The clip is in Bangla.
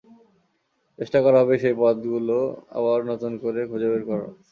চেষ্টা করা হবে সেই পথগুলো আবার নতুন করে খুঁজে বের করার।